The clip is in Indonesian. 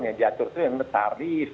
yang diatur itu memang tarif